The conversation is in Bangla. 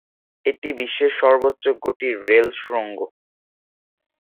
এটি বিশ্বের সর্বোচ্চ গতির রেল সুড়ঙ্গ।